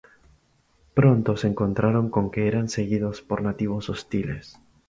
Pronto se encontraron con que eran seguidos por nativos hostiles.